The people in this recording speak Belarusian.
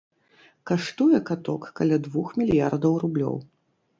Каштуе каток каля двух мільярдаў рублёў.